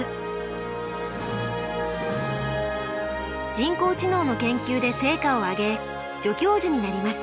人工知能の研究で成果を上げ助教授になります。